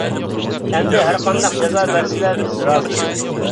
ئەمدى ھەرقانداق جازا بەرسىلە بىز رازى!